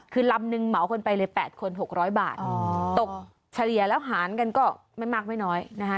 คือลำหนึ่งเหมาขึ้นไปเลยแปดคนหกร้อยบาทอ๋อตกเฉลี่ยแล้วหารกันก็ไม่มากไม่น้อยนะคะ